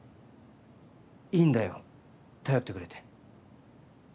いいんだよ頼ってくれて。